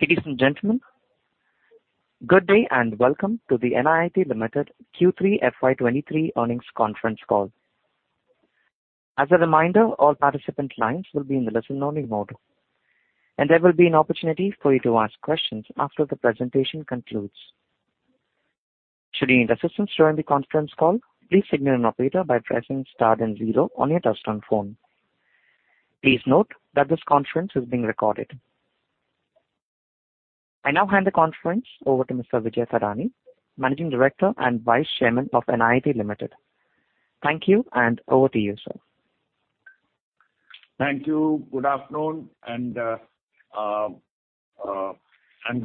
Ladies and gentlemen, good day. Welcome to the NIIT Limited Q3 FY 2023 earnings conference call. As a reminder, all participant lines will be in the listen-only mode. There will be an opportunity for you to ask questions after the presentation concludes. Should you need assistance during the conference call, please signal an operator by pressing star then zero on your touchtone phone. Please note that this conference is being recorded. I now hand the conference over to Mr. Vijay Thadani, Managing Director and Vice Chairman of NIIT Limited. Thank you. Over to you, sir. Thank you. Good afternoon and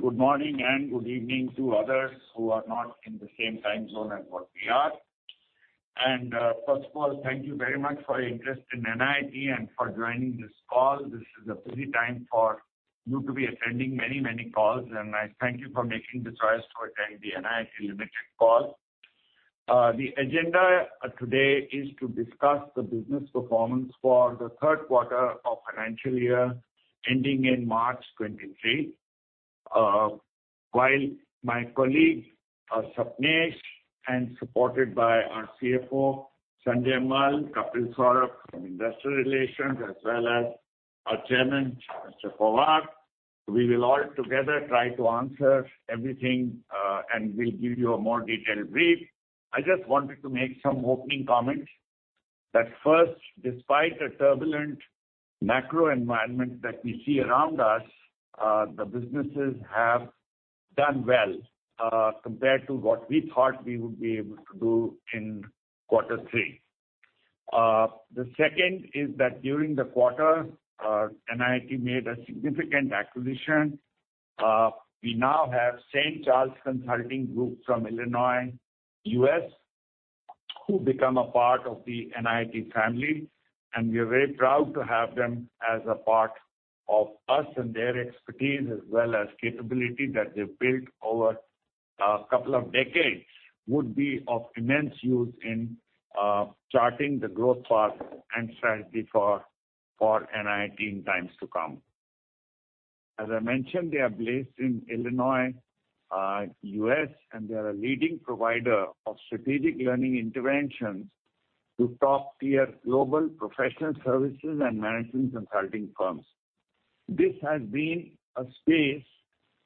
good morning and good evening to others who are not in the same time zone as what we are. First of all, thank you very much for your interest in NIIT and for joining this call. This is a busy time for you to be attending many, many calls, and I thank you for making the choice to attend the NIIT Limited call. The agenda today is to discuss the business performance for the third quarter of financial year ending in March 2023. While my colleague, Sapnesh, and supported by our CFO, Sanjay Mal, Kapil Saurabh from Investor Relations, as well as our chairman, Mr. Pawar, we will all together try to answer everything, and we'll give you a more detailed brief. I just wanted to make some opening comments. First, despite the turbulent macro environment that we see around us, the businesses have done well, compared to what we thought we would be able to do in quarter three. Second is that during the quarter, NIIT made a significant acquisition. We now have St. Charles Consulting Group from Illinois, U.S., who become a part of the NIIT family, we are very proud to have them as a part of us. Their expertise as well as capability that they've built over a couple of decades would be of immense use in charting the growth path and strategy for NIIT in times to come. As I mentioned, they are based in Illinois, U.S., and they are a leading provider of strategic learning interventions to top-tier global professional services and management consulting firms. This has been a space,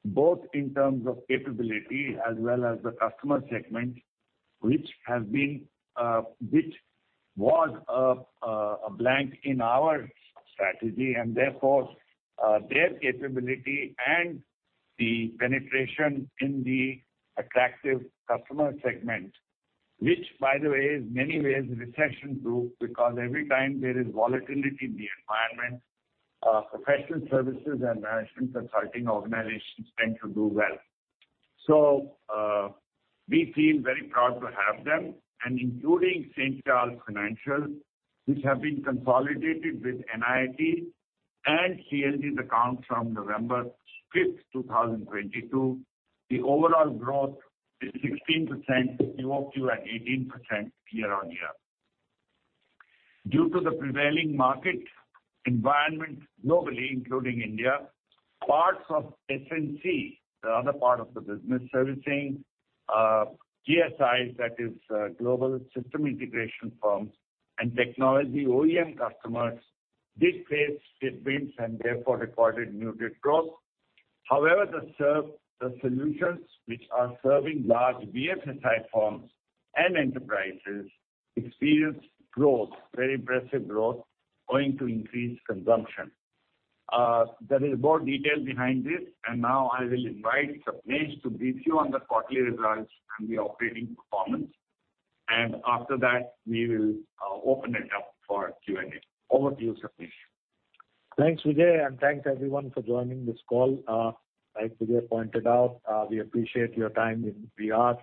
both in terms of capability as well as the customer segment, which has been, which was a blank in our strategy and therefore, their capability and the penetration in the attractive customer segment. Which by the way, is many ways a recession-proof, because every time there is volatility in the environment, professional services and management consulting organizations tend to do well. We feel very proud to have them. Including St. Charles Financial, which have been consolidated with NIIT and CLG's account from November 5, 2022, the overall growth is 16% QOQ and 18% year-on-year. Due to the prevailing market environment globally, including India, parts of SNC, the other part of the business servicing GSIs, that is, Global System Integration firms and technology OEM customers, did face headwinds and therefore recorded muted growth. However, the solutions which are serving large BFSI firms and enterprises experienced growth, very impressive growth, owing to increased consumption. There is more detail behind this. Now I will invite Sapnesh to brief you on the quarterly results and the operating performance. After that, we will open it up for Q&A. Over to you, Sapnesh. Thanks, Vijay. Thanks, everyone, for joining this call. Like Vijay pointed out, we appreciate your time. We are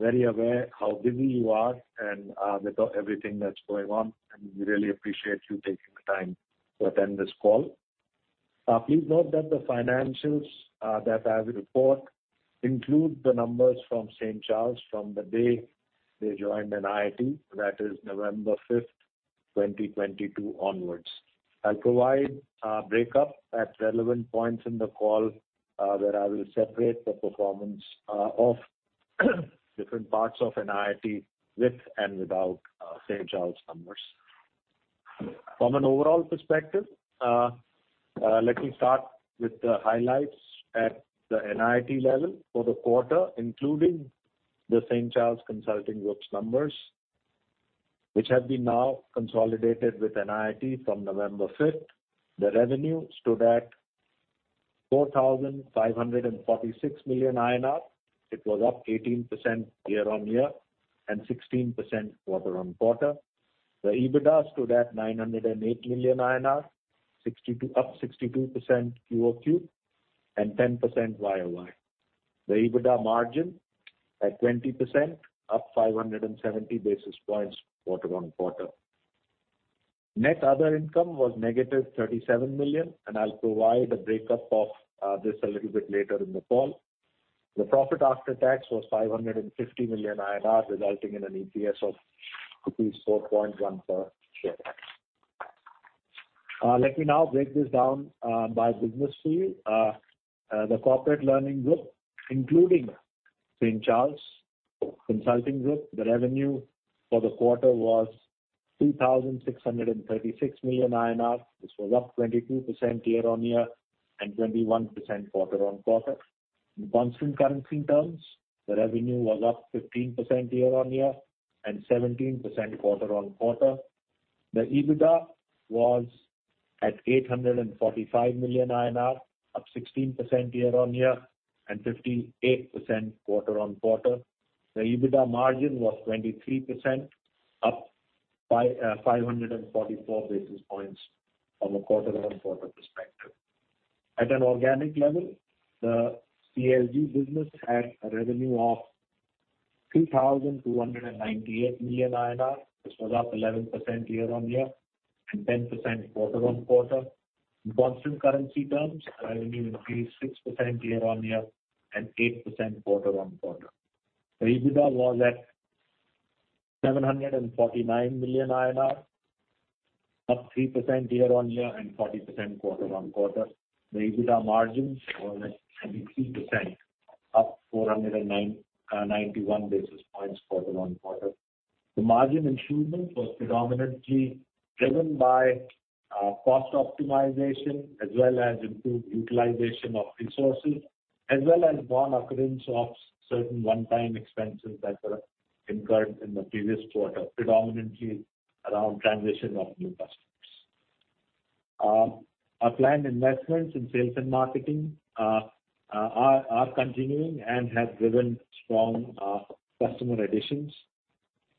very aware how busy you are and with everything that's going on, we really appreciate you taking the time to attend this call. Please note that the financials that I will report include the numbers from St. Charles from the day they joined NIIT, that is November 5th, 2022 onwards. I'll provide a breakup at relevant points in the call, where I will separate the performance of different parts of NIIT with and without St. Charles numbers. From an overall perspective, let me start with the highlights at the NIIT level for the quarter, including the St. CHarles Consulting Group's numbers, which have been now consolidated with NIIT from November 5th. The revenue stood at 4,546 million INR. It was up 18% year-on-year and 16% quarter-on-quarter. The EBITDA stood at 908 million INR, up 62% QOQ and 10% YOY. The EBITDA margin at 20%, up 570 basis points quarter-on-quarter. Net other income was INR negative 37 million, and I'll provide a breakup of this a little bit later in the call. The profit after tax was 550 million INR, resulting in an EPS of rupees 4.1 per share. Let me now break this down by business for you. The Corporate Learning Group, including St. Charles Consulting Group, the revenue for the quarter was 2,636 million INR. This was up 22% year-on-year and 21% quarter-on-quarter. In constant currency terms, the revenue was up 15% year-on-year and 17% quarter-on-quarter. The EBITDA was at 845 million INR, up 16% year-on-year and 58% quarter-on-quarter. The EBITDA margin was 23%, up 544 basis points from a quarter-on-quarter perspective. At an organic level, the CLG business had a revenue of 2,298 million INR. This was up 11% year-on-year and 10% quarter-on-quarter. In constant currency terms, revenue increased 6% year-on-year and 8% quarter-on-quarter. The EBITDA was at 749 million INR, up 3% year-on-year and 40% quarter-on-quarter. The EBITDA margins were at 23%, up 91 basis points quarter-over-quarter. The margin improvement was predominantly driven by cost optimization as well as improved utilization of resources, as well as one occurrence of certain one-time expenses that were incurred in the previous quarter, predominantly around transition of new customers. Our planned investments in sales and marketing are continuing and have driven strong customer additions.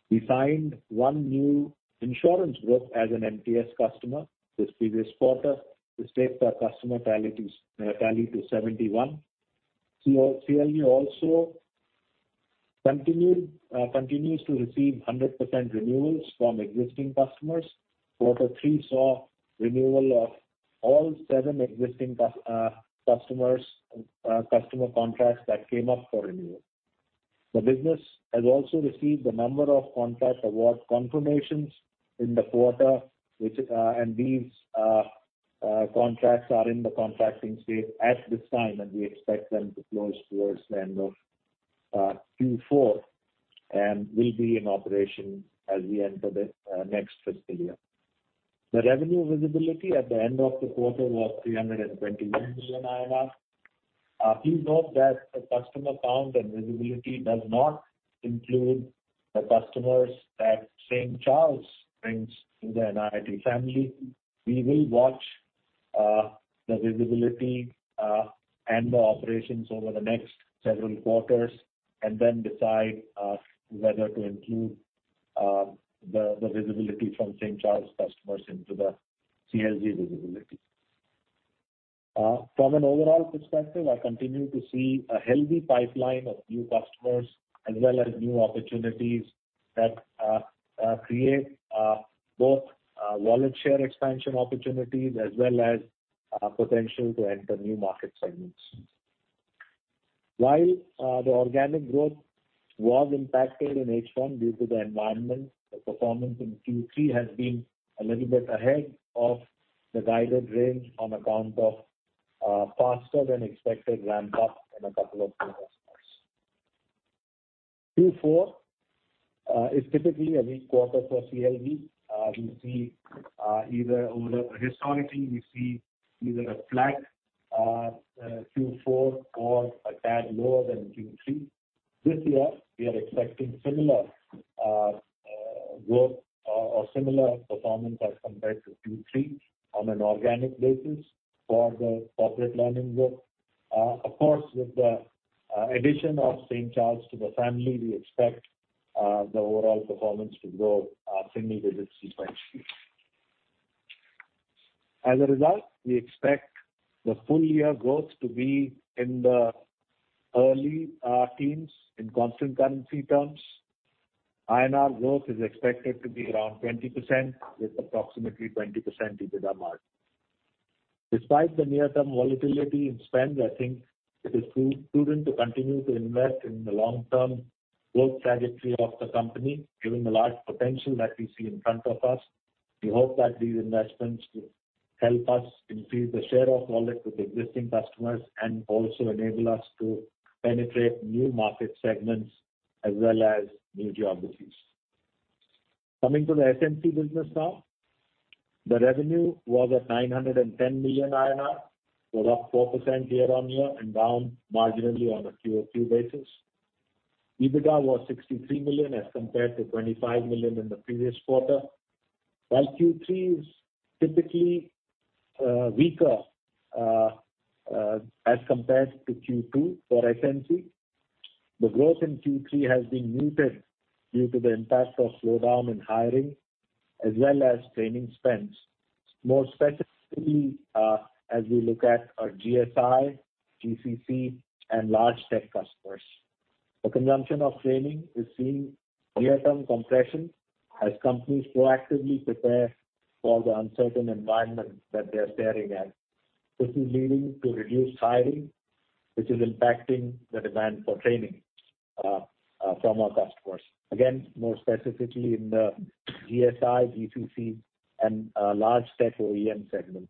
We signed one new insurance group as an MTS customer this previous quarter, which takes our customer tally to 71. CLG also continues to receive 100% renewals from existing customers. Quarter three saw renewal of all seven existing customers, customer contracts that came up for renewal. The business has also received a number of contract award confirmations in the quarter, which, and these contracts are in the contracting stage at this time, and we expect them to close towards the end of Q4, and will be in operation as we enter the next fiscal year. The revenue visibility at the end of the quarter was 321 million INR. Please note that the customer count and visibility does not include the customers that St. Charles brings to the NIIT family. We will watch the visibility and the operations over the next several quarters and then decide whether to include the visibility from St. Charles customers into the CLG visibility. From an overall perspective, I continue to see a healthy pipeline of new customers as well as new opportunities that create both wallet share expansion opportunities as well as potential to enter new market segments. While the organic growth was impacted in H1 due to the environment, the performance in Q3 has been a little bit ahead of the guided range on account of faster than expected ramp up in a couple of new customers. Q4 is typically a weak quarter for CLG. We see either a flat Q4 or a tad lower than Q3. This year we are expecting similar growth or similar performance as compared to Q3 on an organic basis for the Corporate Learning Group. Of course, with the addition of St. Charles to the family, we expect the overall performance to grow significantly sequentially. As a result, we expect the full year growth to be in the early [80s] in constant currency terms. INR growth is expected to be around 20% with approximately 20% EBITDA margin. Despite the near-term volatility in spend, I think it is prudent to continue to invest in the long-term growth trajectory of the company, given the large potential that we see in front of us. We hope that these investments will help us increase the share of wallet with existing customers and also enable us to penetrate new market segments as well as new geographies. Coming to the SNC business now. The revenue was at 910 million INR, was up 4% year-on-year and down marginally on a QoQ basis. EBITDA was 63 million as compared to 25 million in the previous quarter. Q3 is typically weaker as compared to Q2 for SNC, the growth in Q3 has been muted due to the impact of slowdown in hiring as well as training spends. More specifically, as we look at our GSI, GCC and large tech customers. The consumption of training is seeing near-term compression as companies proactively prepare for the uncertain environment that they're staring at. This is leading to reduced hiring, which is impacting the demand for training from our customers. More specifically in the GSI, GCC and large tech OEM segment.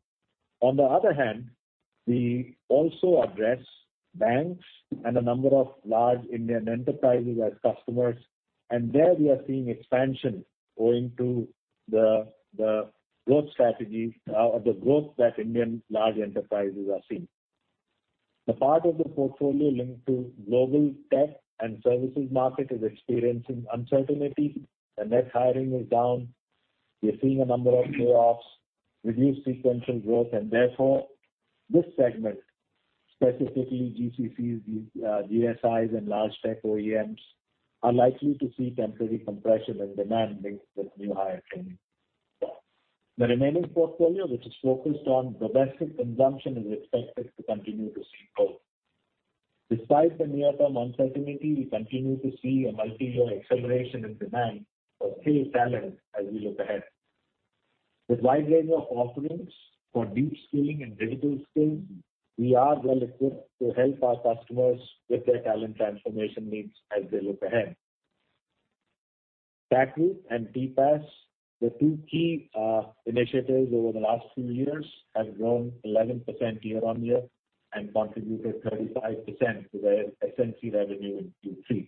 We also address banks and a number of large Indian enterprises as customers, and there we are seeing expansion owing to the growth strategies or the growth that Indian large enterprises are seeing. The part of the portfolio linked to global tech and services market is experiencing uncertainty, and net hiring is down. We are seeing a number of layoffs, reduced sequential growth and therefore this segment, specifically GCCs, GSIs and large tech OEMs, are likely to see temporary compression in demand linked with new hire training. The remaining portfolio, which is focused on domestic consumption, is expected to continue to see growth. Besides the near-term uncertainty, we continue to see a multi-year acceleration in demand for skilled talent as we look ahead. With wide range of offerings for deep skilling and digital skills, we are well equipped to help our customers with their talent transformation needs as they look ahead. Tech Group and BPAS, the two key initiatives over the last few years, have grown 11% year-on-year and contributed 35% to the SNC revenue in Q3.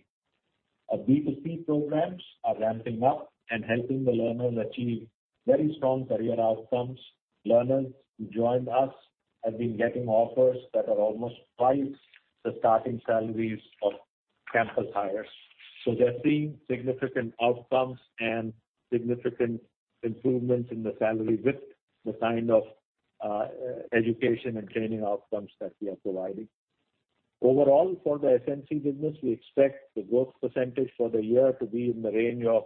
Our B2C programs are ramping up and helping the learners achieve very strong career outcomes. Learners who joined us have been getting offers that are almost twice the starting salaries of campus hires. They're seeing significant outcomes and significant improvements in the salary with the kind of education and training outcomes that we are providing. Overall, for the SNC business, we expect the growth % for the year to be in the range of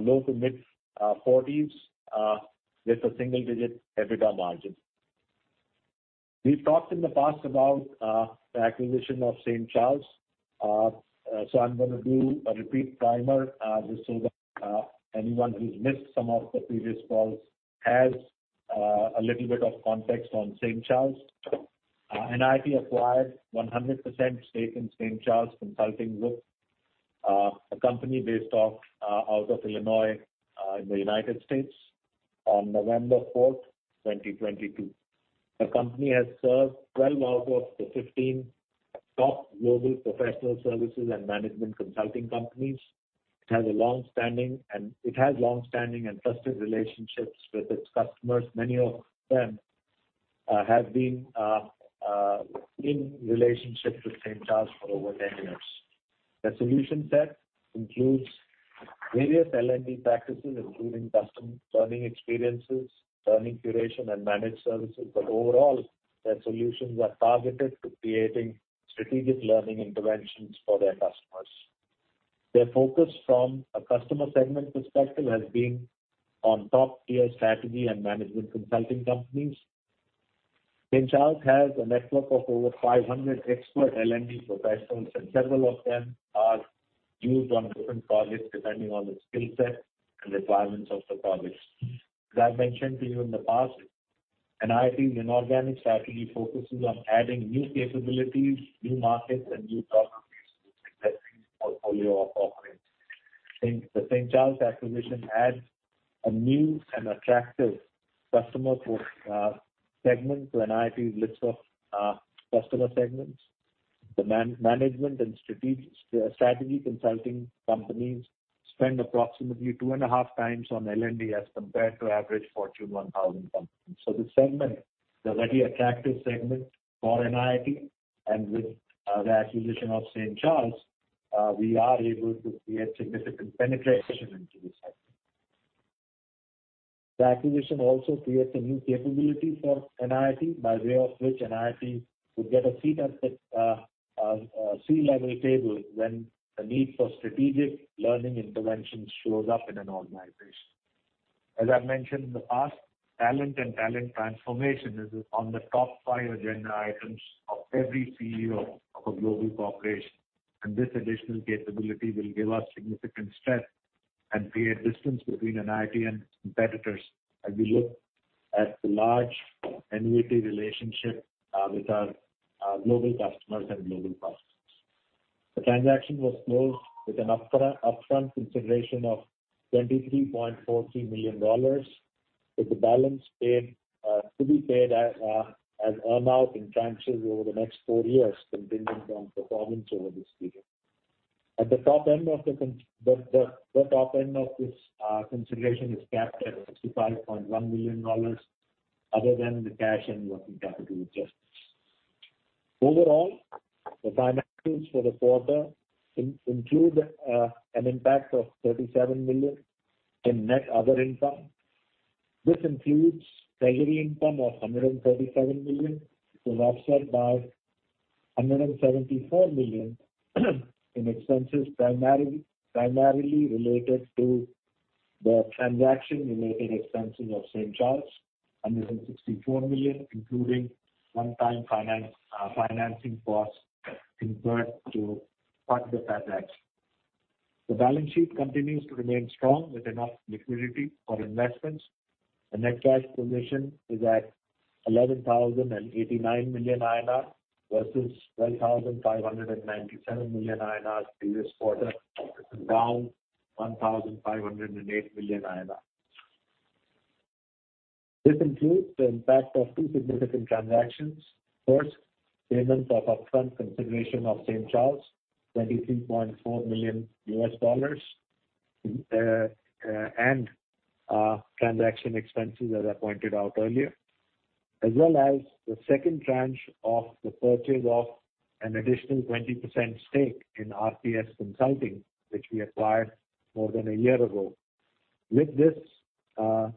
low to mid 40s%, with a single-digit EBITDA margin. We've talked in the past about the acquisition of St. Charles. I'm gonna do a repeat primer just so that anyone who's missed some of the previous calls has a little bit of context on St. Charles. NIIT acquired 100% stake in St. Charles Consulting Group, a company based off out of Illinois, in the United States on November 4th, 2022. The company has served 12 out of the 15 top global professional services and management consulting companies. It has long-standing and trusted relationships with its customers. Many of them have been in relationship with St. Charles for over 10 years. Their solution set includes various L&D practices, including custom learning experiences, learning curation and managed services. Overall, their solutions are targeted to creating strategic learning interventions for their customers. Their focus from a customer segment perspective has been on top-tier strategy and management consulting companies. St. Charles has a network of over 500 expert L&D professionals, and several of them are used on different projects depending on the skill set and requirements of the projects. As I've mentioned to you in the past, NIIT's inorganic strategy focuses on adding new capabilities, new markets, and new geographies to existing portfolio offerings. The St. Charles acquisition adds a new and attractive customer segment to NIIT's list of customer segments. The management and strategy consulting companies spend approximately two and a half times on L&D as compared to average Fortune 1,000 companies. The segment is a very attractive segment for NIIT, and with the acquisition of St. Charles, we are able to create significant penetration into this segment. The acquisition also creates a new capability for NIIT, by way of which NIIT would get a seat at the C-level table when the need for strategic learning interventions shows up in an organization. As I've mentioned in the past, talent and talent transformation is on the top five agenda items of every CEO of a global corporation, and this additional capability will give us significant strength and create distance between NIIT and its competitors as we look at the large annuity relationship with our global customers and global prospects. The transaction was closed with an upfront consideration of $23.4 million, with the balance to be paid as an earn-out in tranches over the next four years, contingent on performance over this period. At the top end of the top end of this consideration is capped at $65.1 million, other than the cash and working capital adjustments. Overall, the financials for the quarter include an impact of $37 million in net other income. This includes treasury income of 137 million, which is offset by 174 million in expenses, primarily related to the transaction-related expenses of St. Charles, under 64 million, including one-time finance, financing costs incurred to fund the transaction. The balance sheet continues to remain strong with enough liquidity for investments. The net cash position is at 11,089 million INR versus 12,597 million INR previous quarter, down 1,508 million INR. This includes the impact of two significant transactions. First, payment of upfront consideration of St. Charles, $23.4 million, and transaction expenses as I pointed out earlier, as well as the second tranche of the purchase of an additional 20% stake in RPS Consulting, which we acquired more than a year ago. With this,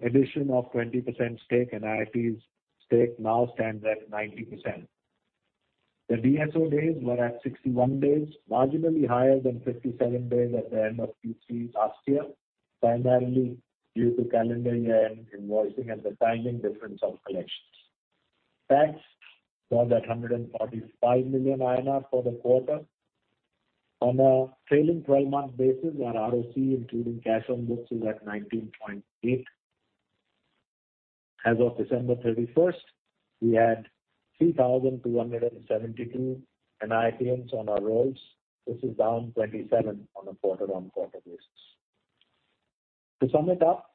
addition of 20% stake, NIIT's stake now stands at 90%. The DSO days were at 61 days, marginally higher than 57 days at the end of Q3 last year, primarily due to calendar year-end invoicing and the timing difference of collections. Tax was at 145 million INR for the quarter. On a trailing 12-month basis, our ROC, including cash on books, is at 19.8%. As of December 31st, we had 3,272 NIITians on our rolls. This is down 27% on a quarter-on-quarter basis. To sum it up,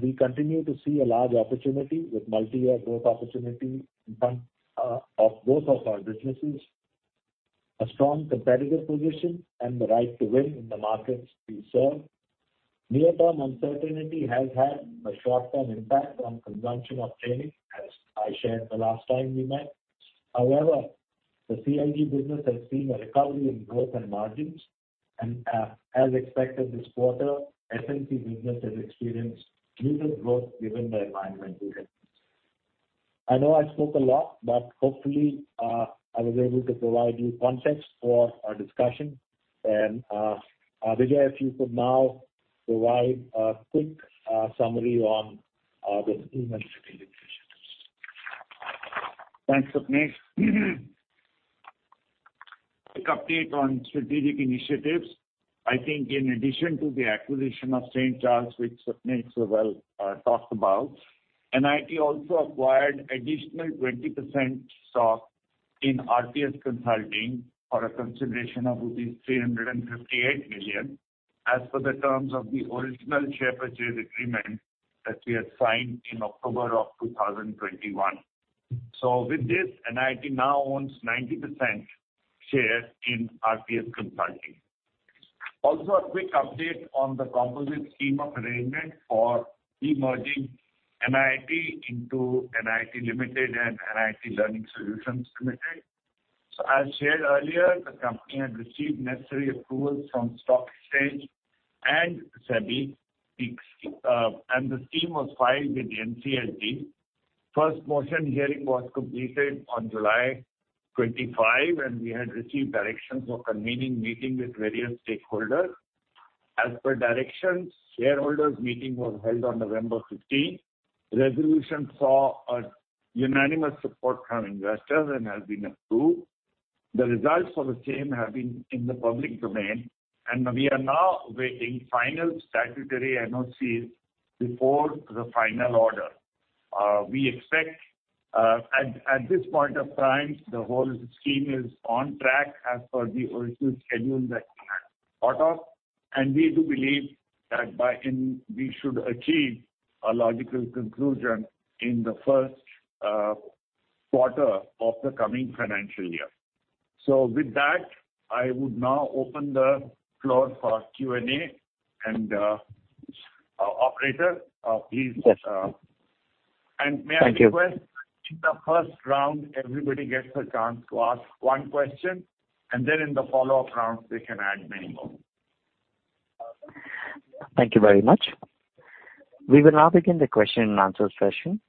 we continue to see a large opportunity with multi-year growth opportunity in front of both of our businesses, a strong competitive position and the right to win in the markets we serve. Near-term uncertainty has had a short-term impact on consumption of training, as I shared the last time we met. However, the CLG business has seen a recovery in growth and margins. As expected this quarter, SNC business has experienced muted growth given the environment we're in. I know I spoke a lot, but hopefully, I was able to provide you context for our discussion. Vijay, if you could now provide a quick summary on the team and strategic initiatives. Thanks, Sapnesh. A quick update on strategic initiatives. I think in addition to the acquisition of St. Charles, which Sapnesh so well talked about, NIIT also acquired additional 20% stock in RPS Consulting for a consideration of rupees 358 million as per the terms of the original share purchase agreement that we had signed in October of 2021. With this, NIIT now owns 90% share in RPS Consulting. A quick update on the composite scheme of arrangement for demerging NIIT into NIIT Limited and NIIT Learning Systems Limited. As shared earlier, the company had received necessary approvals from stock exchange and SEBI, and the scheme was filed with NCLT. First motion hearing was completed on July 25, and we had received directions for convening meeting with various stakeholders. As per directions, shareholders meeting was held on November 15th. Resolution saw a unanimous support from investors and has been approved. The results of the same have been in the public domain, and we are now awaiting final statutory NOC before the final order. We expect at this point of time, the whole scheme is on track as per the original schedule that we had thought of, and we do believe that by end we should achieve a logical conclusion in the first quarter of the coming financial year. With that, I would now open the floor for Q&A. Operator, please. May I request that in the first round, everybody gets a chance to ask one question, and then in the follow-up round, they can add many more. Thank you very much. We will now begin the question and answer session.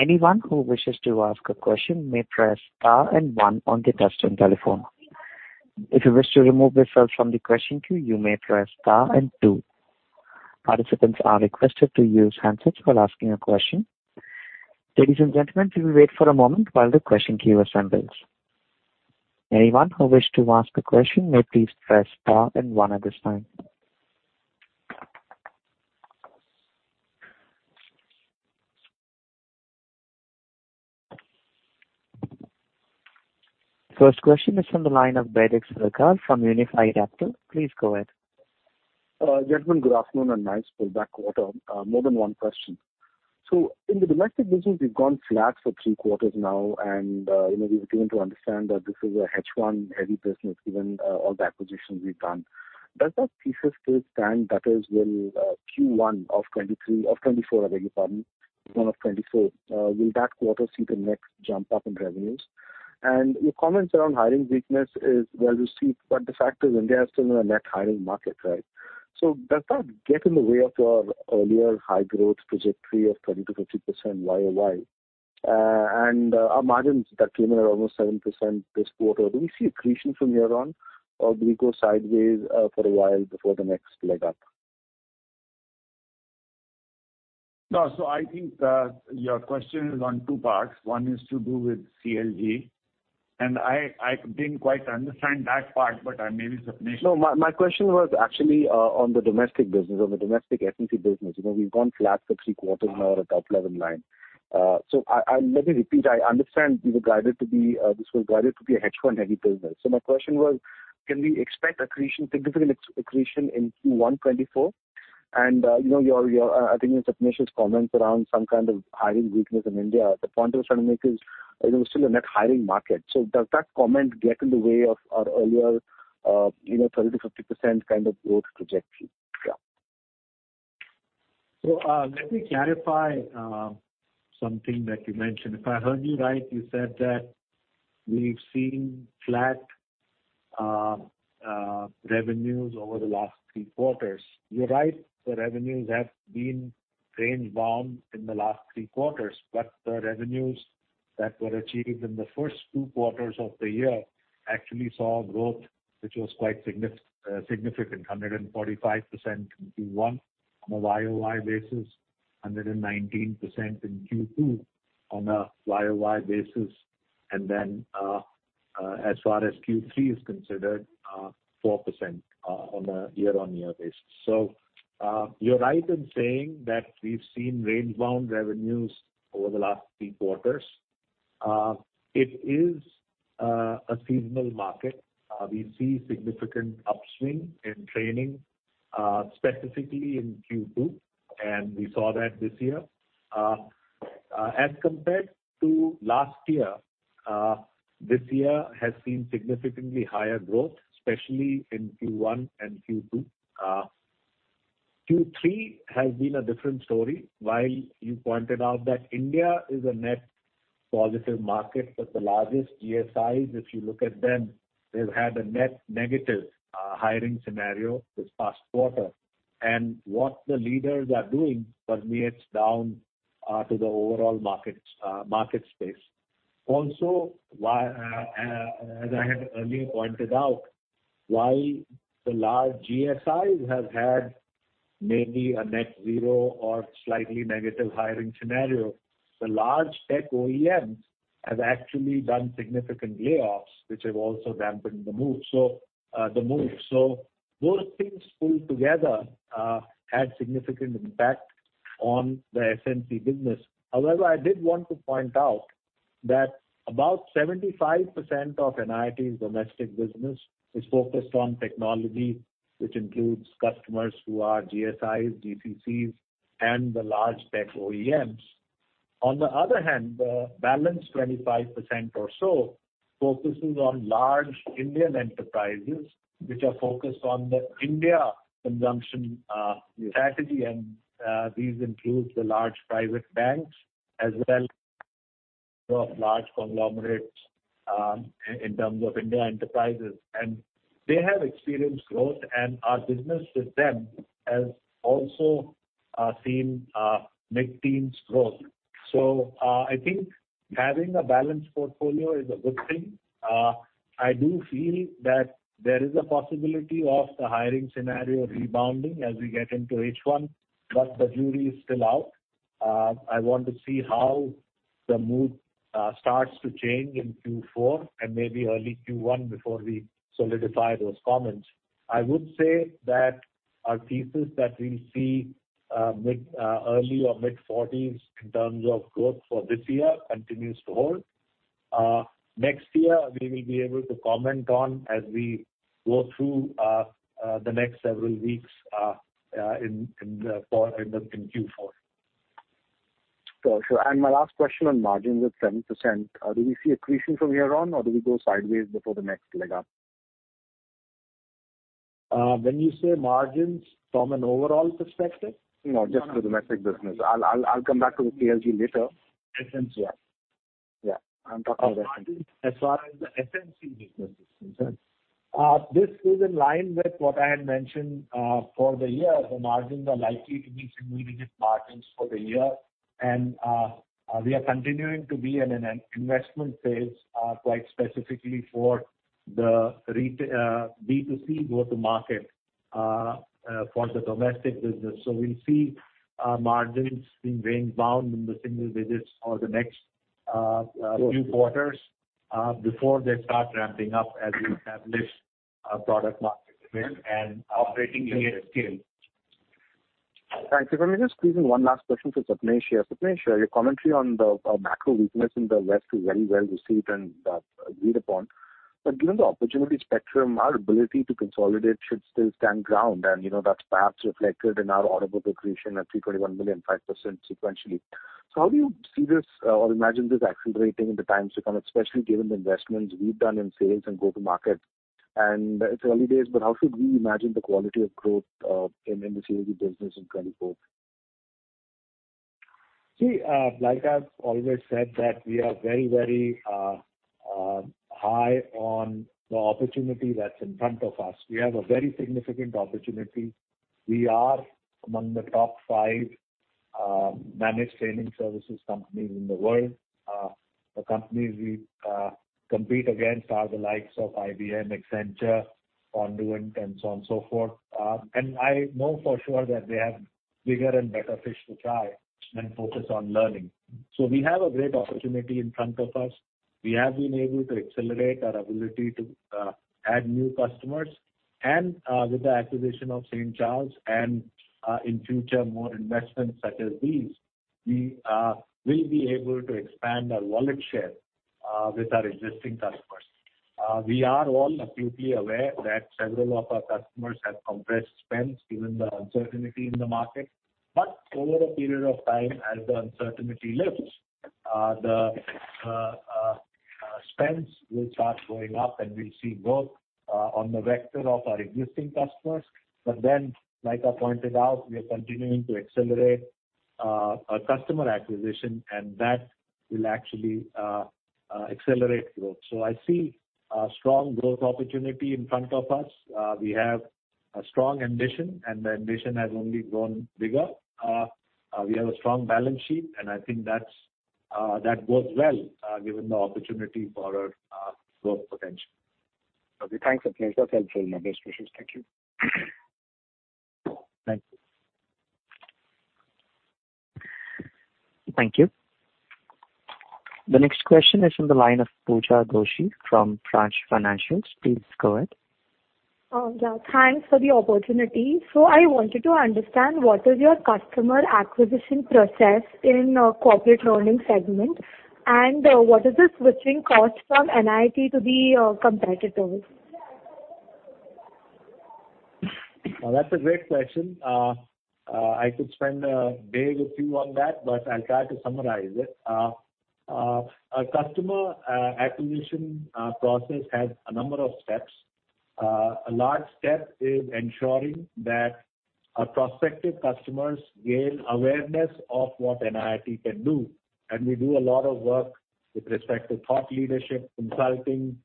Anyone who wishes to ask a question may press star and one on the touchtone telephone. If you wish to remove yourself from the question queue, you may press star and two. Participants are requested to use handsets while asking a question. Ladies and gentlemen, we will wait for a moment while the question queue assembles. Anyone who wish to ask a question may please press star and one at this time. First question is from the line of Baidik Sarkar from Unifi Capital. Please go ahead. Gentlemen, good afternoon and nice pullback quarter. More than one question. In the domestic business, we've gone flat for three quarters now, and, you know, we've begun to understand that this is a H1 heavy business given all the acquisitions we've done. Does that thesis still stand that as well, Q1 of 2024, will that quarter see the next jump up in revenues? Your comments around hiring weakness is well received. The fact is India is still in a net hiring market, right? Does that get in the way of your earlier high growth trajectory of 30%-50% YOY? Our margins that came in at almost 7% this quarter, do we see accretion from here on or do we go sideways for a while before the next leg up? No. I think, your question is on two parts. One is to do with CLG, and I didn't quite understand that part, but maybe Sapnesh- No, my question was actually on the domestic business, on the domestic SNC business. You know, we've gone flat for three quarters now at the top level line. I Let me repeat. I understand you've guided to be this was guided to be a hedge fund heavy business. My question was can we expect accretion, significant accretion in Q1 2024? You know, your I think it's Sapnesh's comments around some kind of hiring weakness in India. The point we're trying to make is, you know, we're still a net hiring market. Does that comment get in the way of our earlier, you know, 30%-50% kind of growth trajectory? Yeah. Let me clarify something that you mentioned. If I heard you right, you said that we've seen flat revenues over the last three quarters. You're right, the revenues have been range bound in the last three quarters, but the revenues that were achieved in the first two quarters of the year actually saw growth which was quite significant. 145% in Q1 on a YOY basis, 119% in Q2 on a YoY basis. As far as Q3 is considered, 4% on a year-on-year basis. You're right in saying that we've seen range-bound revenues over the last three quarters. It is a seasonal market. We see significant upswing in training, specifically in Q2, and we saw that this year. As compared to last year, this year has seen significantly higher growth, especially in Q1 and Q2. Q3 has been a different story. While you pointed out that India is a net positive market, the largest GSIs, if you look at them, they've had a net negative hiring scenario this past quarter. What the leaders are doing permeates down to the overall market market space. Also, as I had earlier pointed out, while the large GSIs have had maybe a net zero or slightly negative hiring scenario, the large tech OEMs have actually done significant layoffs, which have also dampened the mood. Those things pulled together had significant impact on the SNC business. However, I did want to point out that about 75% of NIIT domestic business is focused on technology, which includes customers who are GSIs, GCCs, and the large tech OEMs. On the other hand, the balance 25% or so focuses on large Indian enterprises which are focused on the India consumption strategy. These include the large private banks as well as large conglomerates in terms of India enterprises. They have experienced growth, and our business with them has also seen mid-teens growth. I think having a balanced portfolio is a good thing. I do feel that there is a possibility of the hiring scenario rebounding as we get into H1, but the jury is still out. I want to see how the mood starts to change in Q4 and maybe early Q1 before we solidify those comments. I would say that our thesis that we will see early or mid-forties in terms of growth for this year continues to hold. Next year we will be able to comment on as we go through the next several weeks in Q4. Sure. My last question on margins at 7%, do we see accretion from here on or do we go sideways before the next leg up? When you say margins from an overall perspective? No, just for the domestic business. I'll come back to the CLG later. SNC. Yeah. I'm talking about SNC. As far as the SNC business is concerned, this is in line with what I had mentioned for the year. The margins are likely to be single-digit margins for the year. And we are continuing to be in an investment phase, quite specifically for the B2C go to market for the domestic business. So we'll see margins being range bound in the single digits for the next few quarters before they start ramping up as we establish our product market fit and operating unit scale. Thanks. If I may just squeeze in one last question for Sapnesh here. Sapnesh, your commentary on the macro weakness in the West is very well received and agreed upon. Given the opportunity spectrum, our ability to consolidate should still stand ground, and you know, that's perhaps reflected in our order book accretion at 321 million, 5% sequentially. How do you see this or imagine this accelerating in the times to come, especially given the investments we've done in sales and go to market? It's early days, but how should we imagine the quality of growth in the CLG business in 2024? Like I've always said that we are very, very high on the opportunity that's in front of us. We have a very significant opportunity. We are among the top five managed training services companies in the world. The companies we compete against are the likes of IBM, Accenture, Conduent, and so on and so forth. I know for sure that they have bigger and better fish to fry than focus on learning. We have a great opportunity in front of us. We have been able to accelerate our ability to add new customers. With the acquisition of St. Charles and in future, more investments such as these, we'll be able to expand our wallet share with our existing customers. We are all acutely aware that several of our customers have compressed spends given the uncertainty in the market. Over a period of time, as the uncertainty lifts, the spends will start going up, and we'll see growth on the vector of our existing customers. Like I pointed out, we are continuing to accelerate our customer acquisition, and that will actually accelerate growth. I see a strong growth opportunity in front of us. We have a strong ambition, and the ambition has only grown bigger. We have a strong balance sheet, and I think that's that bodes well given the opportunity for our growth potential. Okay. Thanks, Sapnesh. I'll trail my best wishes. Thank you. Thank you. Thank you. The next question is from the line of [Pooja Doshi] from [French] financials. Please go ahead. Yeah, thanks for the opportunity. I wanted to understand what is your customer acquisition process in a corporate learning segment, and what is the switching cost from NIIT to the competitors? That's a great question. I could spend a day with you on that, I'll try to summarize it. A customer acquisition process has a number of steps. A large step is ensuring that our prospective customers gain awareness of what NIIT can do. We do a lot of work with respect to thought leadership, consulting,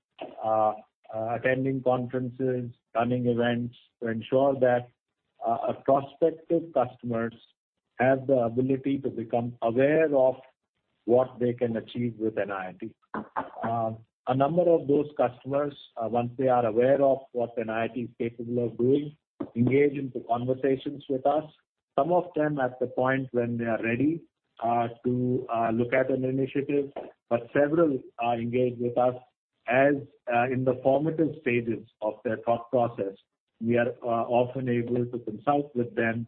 attending conferences, running events to ensure that our prospective customers have the ability to become aware of what they can achieve with NIIT. A number of those customers, once they are aware of what NIIT is capable of doing, engage into conversations with us. Some of them at the point when they are ready to look at an initiative, several engage with us as in the formative stages of their thought process. We are often able to consult with them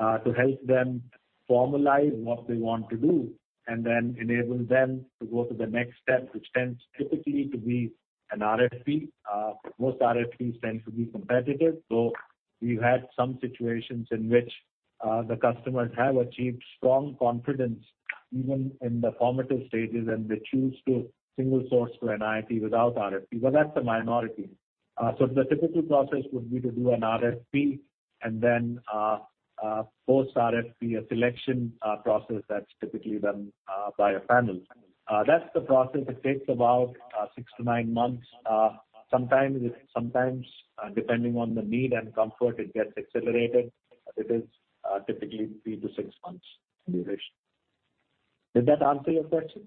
to help them formalize what they want to do and then enable them to go to the next step, which tends typically to be an RFP. Most RFPs tend to be competitive. We've had some situations in which the customers have achieved strong confidence even in the formative stages, and they choose to single source for NIIT without RFP, but that's a minority. The typical process would be to do an RFP and then post RFP, a selection process that's typically done by a panel. That's the process. It takes about six months-nine months. Sometimes, depending on the need and comfort, it gets accelerated. It is typically three months-six months duration. Did that answer your question?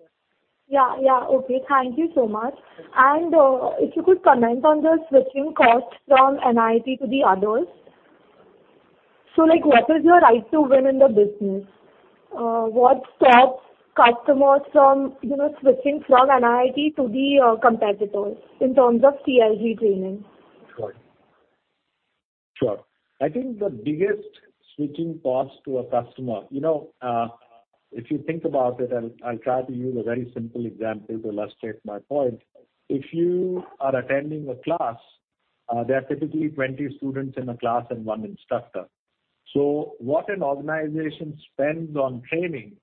Yeah. Yeah. Okay. Thank you so much. If you could comment on the switching costs from NIIT to the others. Like, what is your right to win in the business? What stops customers from, you know, switching from NIIT to the competitors in terms of CLG training? Sure. I think the biggest switching cost to a customer... You know, if you think about it, I'll try to use a very simple example to illustrate my point. If you are attending a class, there are typically 20 students in a class and one instructor. What an organization spends on training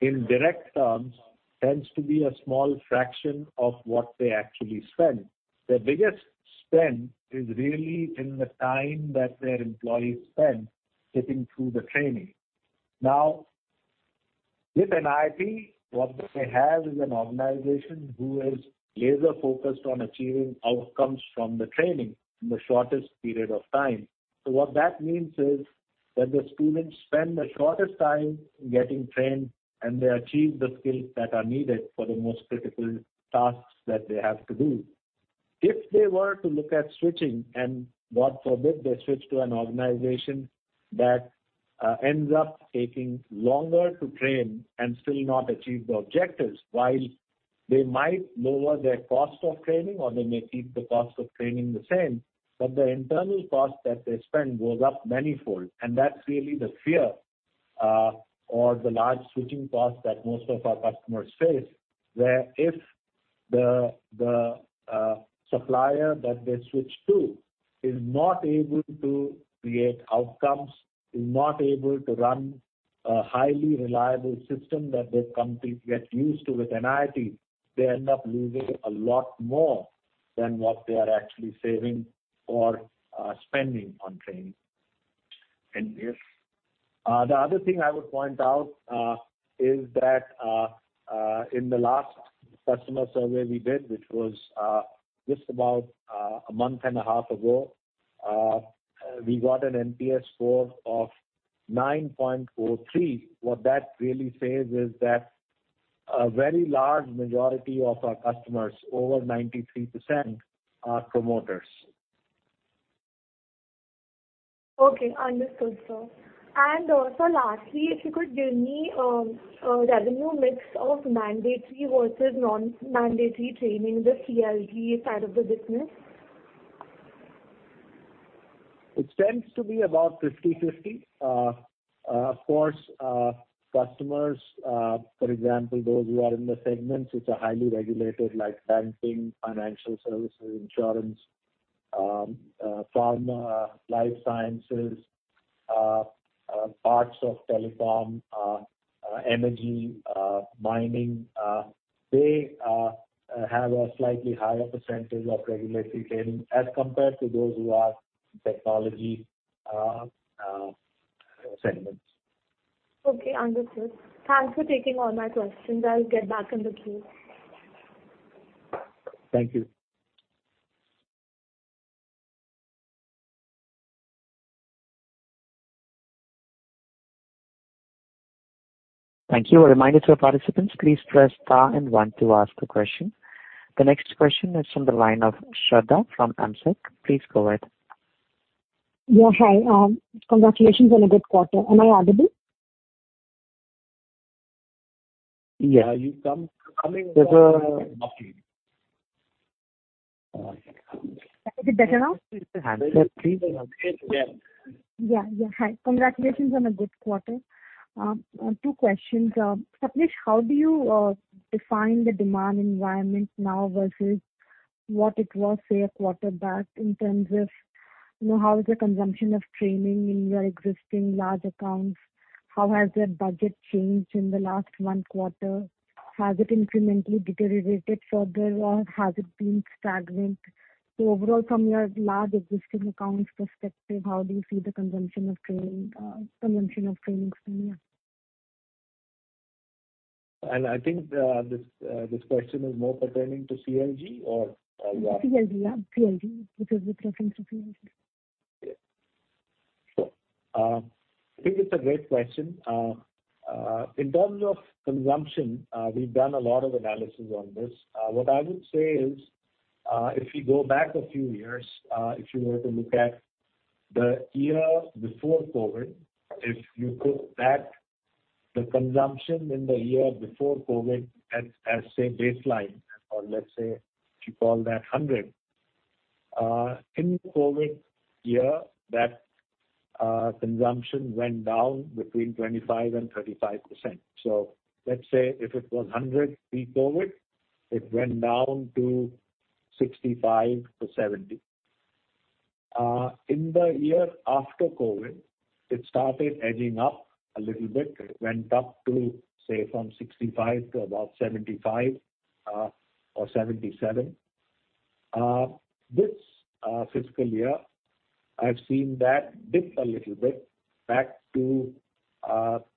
in direct terms tends to be a small fraction of what they actually spend. Their biggest spend is really in the time that their employees spend sitting through the training. With NIIT, what they have is an organization who is laser-focused on achieving outcomes from the training in the shortest period of time. What that means is that the students spend the shortest time getting trained, and they achieve the skills that are needed for the most critical tasks that they have to do. If they were to look at switching, and God forbid they switch to an organization that ends up taking longer to train and still not achieve the objectives, while they might lower their cost of training or they may keep the cost of training the same, but the internal cost that they spend goes up manifold. That's really the fear or the large switching cost that most of our customers face. Where if the supplier that they switch to is not able to create outcomes, is not able to run a highly reliable system that their company gets used to with NIIT, they end up losing a lot more than what they are actually saving or spending on training. The other thing I would point out is that in the last customer survey we did, which was just about a month and a half ago, we got an NPS score of 9.43. What that really says is that a very large majority of our customers, over 93%, are promoters. Okay. Understood, sir. Lastly, if you could give me a revenue mix of mandatory versus non-mandatory training, the CLG side of the business. It tends to be about 50/50. Of course, uh, customers, uh, for example, those who are in the segments which are highly regulated, like banking, financial services, insurance, um, uh, pharma, life sciences, parts of telecom, energy, mining, they have a slightly higher percentage of regulatory training as compared to those who are technology segments. Okay. Understood. Thanks for taking all my questions. I'll get back in the queue. Thank you. Thank you. A reminder to our participants, please press star and one to ask a question. The next question is from the line of Shradha Agrawal from AMSEC. Please go ahead. Yeah. Hi. Congratulations on a good quarter. Am I audible? Yeah. Coming through. Is it better now? Yeah. Hi. Congratulations on a good quarter. Two questions. Sapnesh, how do you define the demand environment now versus what it was, say, a quarter back in terms of, you know, how is the consumption of training in your existing large accounts? How has their budget changed in the last one quarter? Has it incrementally deteriorated further or has it been stagnant? Overall, from your large existing accounts perspective, how do you see the consumption of training, consumption of training spend? I think, this question is more pertaining to CLG or YA? CLG. Yeah, CLG. It is with reference to CLG. Sure. I think it's a great question. In terms of consumption, we've done a lot of analysis on this. What I would say is, if you go back a few years, if you were to look at the year before COVID, if you took that, the consumption in the year before COVID as say, baseline, or let's say if you call that 100%, in COVID year, that consumption went down between 25% and 35%. Let's say if it was 100% pre-COVID, it went down to 65%-70%. In the year after COVID, it started edging up a little bit. It went up to, say, from 65% to about 75%, or 77%. This fiscal year, I've seen that dip a little bit back to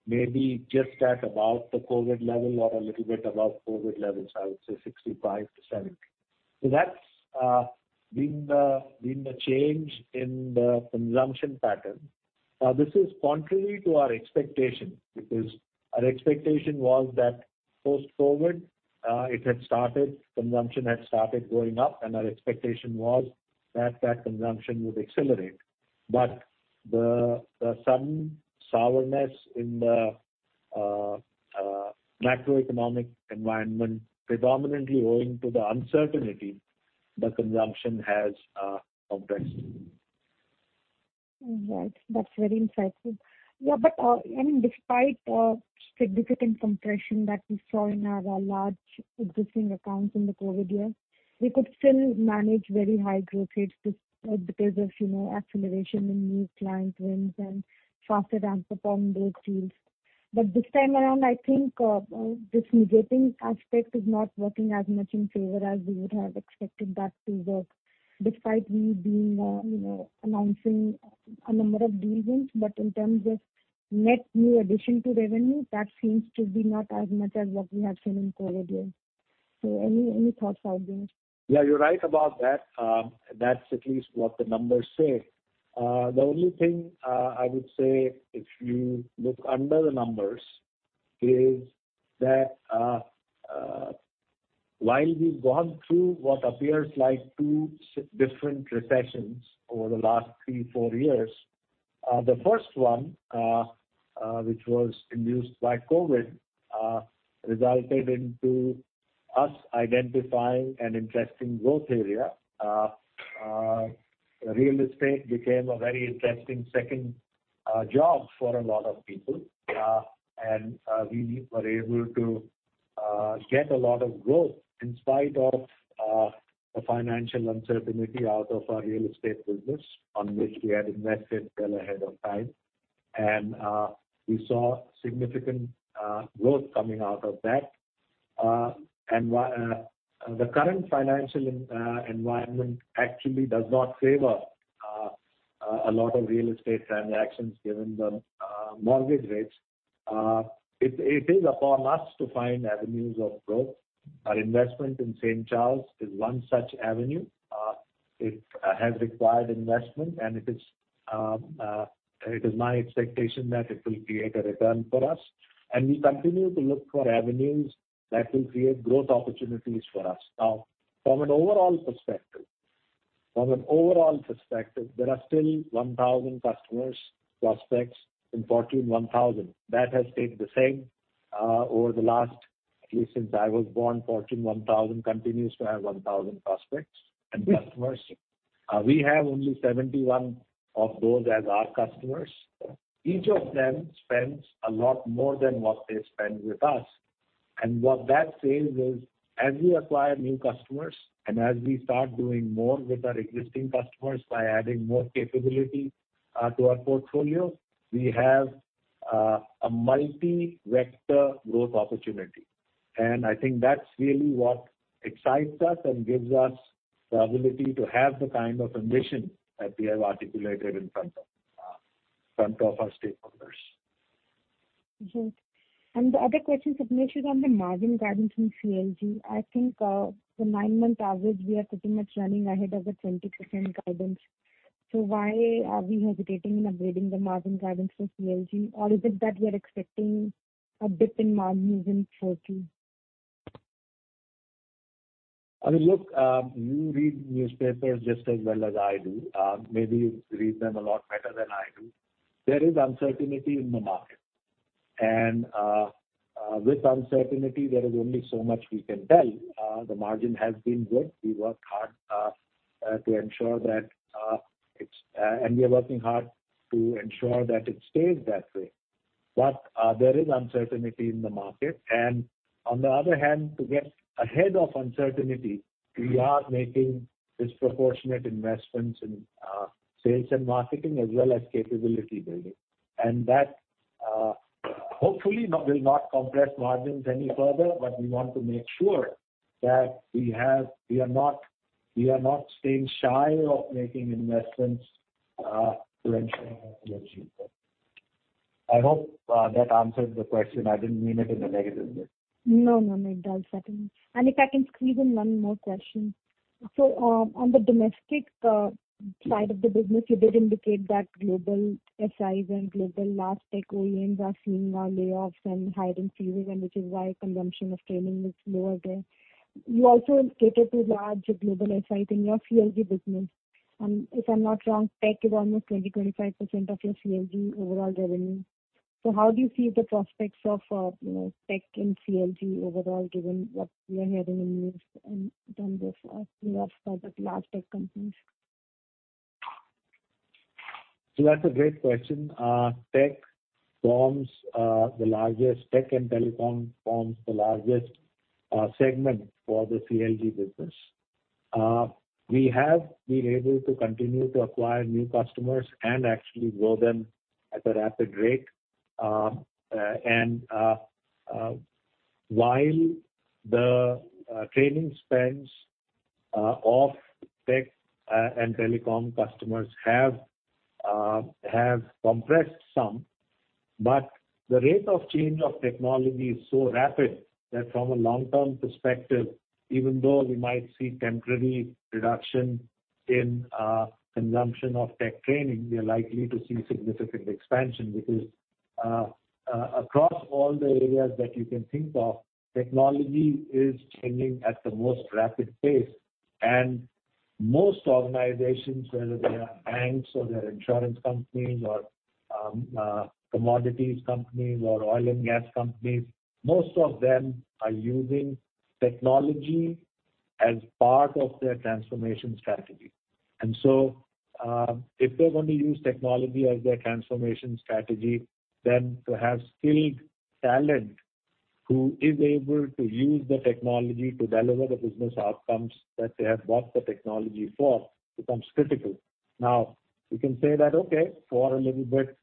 maybe just at about the COVID level or a little bit above COVID levels. I would say 65%-70%. That's been the change in the consumption pattern. This is contrary to our expectation, because our expectation was that post-COVID, consumption had started going up, and our expectation was that that consumption would accelerate. The some sourness in the macroeconomic environment, predominantly owing to the uncertainty the consumption has compressed. All right. That's very insightful. Despite, I mean, significant compression that we saw in our large existing accounts in the COVID years, we could still manage very high growth rates just because of, you know, acceleration in new client wins and faster ramp-up on those deals. This time around, I think, this negating aspect is not working as much in favor as we would have expected that to work, despite we being, you know, announcing a number of deal wins. In terms of net new addition to revenue, that seems to be not as much as what we have seen in COVID years. Any thoughts out there? Yeah, you're right about that. That's at least what the numbers say. The only thing I would say if you look under the numbers is that while we've gone through what appears like two different recessions over the last three, four years, the first one, which was induced by COVID, resulted into us identifying an interesting growth area. Real estate became a very interesting second job for a lot of people. We were able to get a lot of growth in spite of the financial uncertainty out of our real estate business on which we had invested well ahead of time. We saw significant growth coming out of that. The current financial environment actually does not favor a lot of real estate transactions given the mortgage rates. It is upon us to find avenues of growth. Our investment in St. Charles is one such avenue. It has required investment, and it is my expectation that it will create a return for us. We continue to look for avenues that will create growth opportunities for us. From an overall perspective, there are still 1,000 customers prospects in Fortune 1000. That has stayed the same over the last at least since I was born. Fortune 1000 continues to have 1,000 prospects and customers. We have only 71 of those as our customers. Each of them spends a lot more than what they spend with us. What that says is as we acquire new customers, and as we start doing more with our existing customers by adding more capability to our portfolio, we have a multi-vector growth opportunity. I think that's really what excites us and gives us the ability to have the kind of ambition that we have articulated in front of front of our stakeholders. The other question, Sapnesh, is on the margin guidance from CLG. I think, the nine-month average, we are pretty much running ahead of the 20% guidance. Why are we hesitating in upgrading the margin guidance for CLG? Is it that we are expecting a dip in margins in Q4? I mean, look, you read newspapers just as well as I do. Maybe you read them a lot better than I do. There is uncertainty in the market. With uncertainty, there is only so much we can tell. The margin has been good. We worked hard to ensure that we are working hard to ensure that it stays that way. There is uncertainty in the market. On the other hand, to get ahead of uncertainty, we are making disproportionate investments in sales and marketing as well as capability building. That hopefully will not compress margins any further, but we want to make sure that we are not staying shy of making investments to ensure that we achieve that. I hope that answers the question. I didn't mean it in a negative way. No, no, it does. Certainly. If I can squeeze in one more question. On the domestic side of the business, you did indicate that global SIs and global large tech OEMs are seeing layoffs and hiring freezes, and which is why consumption of training is lower there. You also cater to large global SI in your CLG business. If I'm not wrong, tech is almost 20-25% of your CLG overall revenue. How do you see the prospects of, you know, tech in CLG overall, given what we are hearing in news and terms of layoffs by the large tech companies? That's a great question. Tech and telecom forms the largest segment for the CLG business. We have been able to continue to acquire new customers and actually grow them at a rapid rate. While the training spends of tech and telecom customers have compressed some, but the rate of change of technology is so rapid that from a long-term perspective, even though we might see temporary reduction in consumption of tech training, we are likely to see significant expansion because across all the areas that you can think of, technology is changing at the most rapid pace. Most organizations, whether they are banks or they're insurance companies or, commodities companies or oil and gas companies, most of them are using technology as part of their transformation strategy. If they're gonna use technology as their transformation strategy, then to have skilled talent who is able to use the technology to deliver the business outcomes that they have bought the technology for becomes critical. Now, we can say that, okay, for a little bit,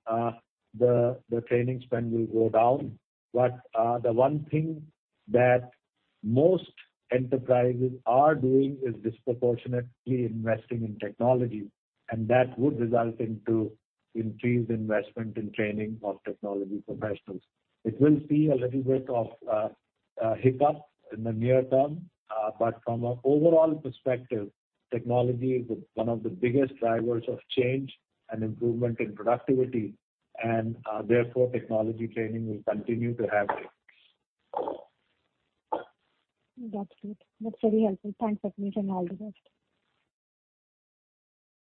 the training spend will go down. The one thing that most enterprises are doing is disproportionately investing in technology, and that would result into increased investment in training of technology professionals. It will see a little bit of hiccup in the near term. From an overall perspective, technology is one of the biggest drivers of change and improvement in productivity. Therefore technology training will continue to have growth. That's good. That's very helpful. Thanks, Sapnesh, and all the best.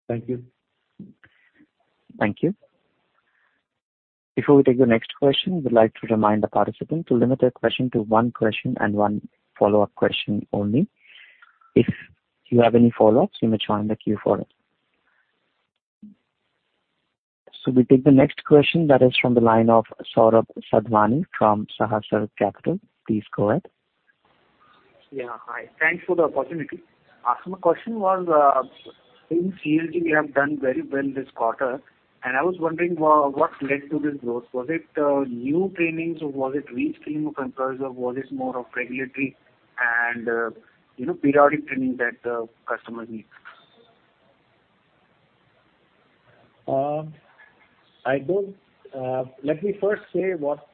Thank you. Thank you. Before we take the next question, we'd like to remind the participant to limit their question to one question and one follow-up question only. If you have any follow-ups, you may join the queue for it. We take the next question that is from the line of Saurabh Sadhwani from Sahasrar Capital. Please go ahead. Yeah. Hi. Thanks for the opportunity. My question was, in CLG, we have done very well this quarter, and I was wondering what led to this growth. Was it new trainings, or was it reskilling of employees, or was this more of regulatory and, you know, periodic training that the customer needs? Let me first say what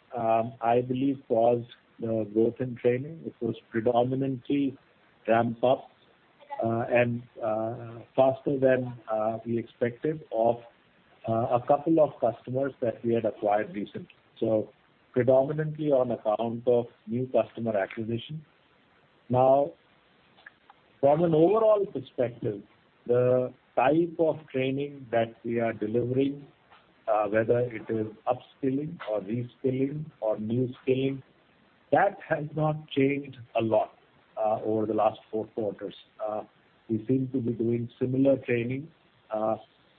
I believe caused the growth in training. It was predominantly ramp-ups, and faster than we expected of two customers that we had acquired recently. Predominantly on account of new customer acquisition. Now, from an overall perspective, the type of training that we are delivering, whether it is upskilling or reskilling or new skilling, that has not changed a lot over the last four quarters. We seem to be doing similar training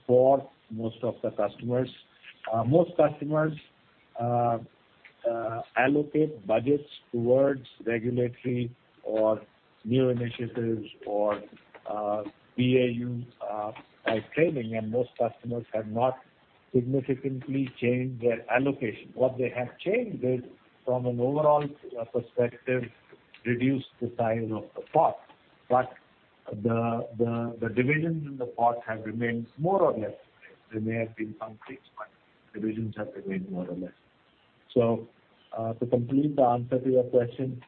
for most of the customers. Most customers allocate budgets towards regulatory or new initiatives or BAU training, and most customers have not significantly changed their allocation. What they have changed is, from an overall perspective, reduced the size of the pot, but the divisions in the pot have remained more or less the same. There may have been some tweaks, divisions have remained more or less the same. To complete the answer to your question,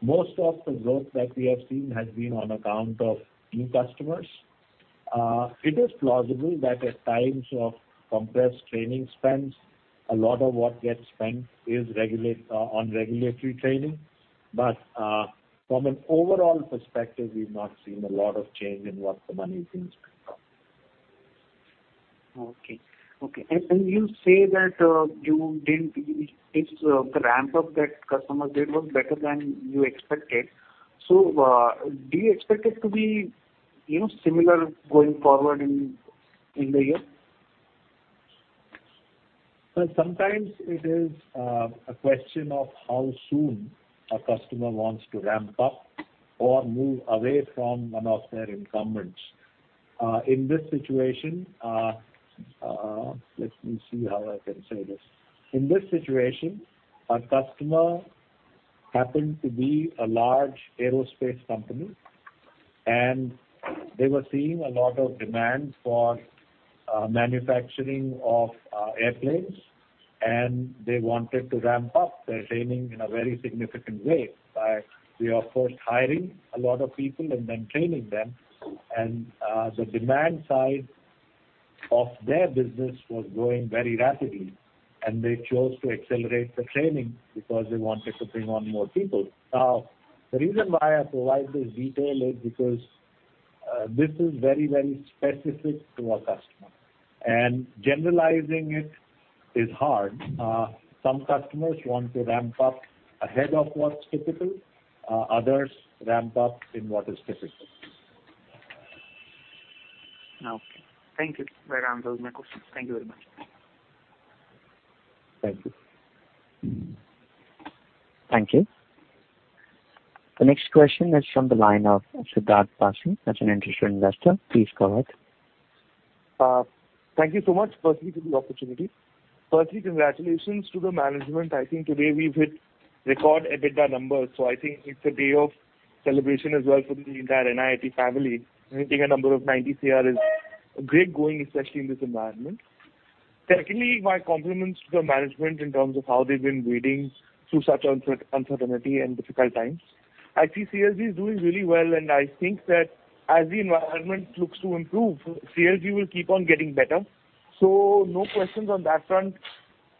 most of the growth that we have seen has been on account of new customers. It is plausible that at times of compressed training spends, a lot of what gets spent is on regulatory training. From an overall perspective, we've not seen a lot of change in what the money seems to come from. Okay. Okay. And, and you say that the ramp-up that customers did was better than you expected. Do you expect it to be, you know, similar going forward in the year? Well, sometimes it is a question of how soon a customer wants to ramp up or move away from one of their incumbents. In this situation, let me see how I can say this. In this situation, our customer happened to be a large aerospace company, and they were seeing a lot of demand for manufacturing of airplanes, and they wanted to ramp up their training in a very significant way by, we of course, hiring a lot of people and then training them. The demand side of their business was growing very rapidly, and they chose to accelerate the training because they wanted to bring on more people. The reason why I provide this detail is because this is very, very specific to our customer, and generalizing it is hard. Some customers want to ramp up ahead of what's typical, others ramp up in what is typical. Okay. Thank you. That answers my questions. Thank you very much. Thank you. Thank you. The next question is from the line of [Siddharth Vasi]. That's an interested investor. Please go ahead. Thank you so much for the opportunity. Congratulations to the management. I think today we've hit record EBITDA numbers, so I think it's a day of celebration as well for the entire NIIT family. Reaching a number of 90 crore is great going, especially in this environment. Technically, my compliments to the management in terms of how they've been wading through such uncertainty and difficult times. I see CLG is doing really well, and I think that as the environment looks to improve, CLG will keep on getting better. No questions on that front